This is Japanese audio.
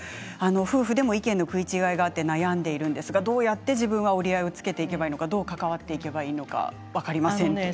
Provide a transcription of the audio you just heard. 夫婦でも意見の食い違いがあって悩んでいますがどうやって自分は折り合いをつけていけばいいのかどう関わっていけばいいのか分かりませんと。